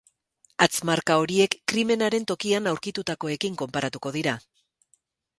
Hatz-marka horiek krimenaren tokian aurkitutakoekin konparatuko dira.